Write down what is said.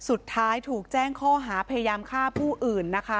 สุดท้ายถูกแจ้งข้อหาพยายามฆ่าผู้อื่นนะคะ